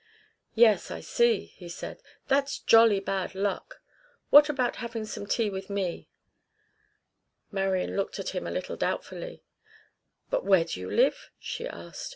"Yes, I see," he said. "That's jolly bad luck. What about having some tea with me?" Marian looked at him a little doubtfully. "But where do you live?" she asked.